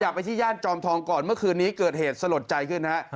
ไปที่ย่านจอมทองก่อนเมื่อคืนนี้เกิดเหตุสลดใจขึ้นฮะ